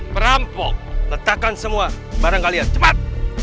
perampok letakkan semua barang kalian cepat